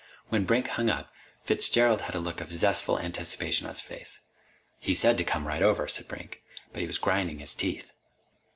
When Brink hung up, Fitzgerald had a look of zestful anticipation on his face. "He said to come right over," said Brink. "But he was grinding his teeth."